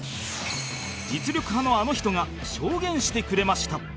実力派のあの人が証言してくれました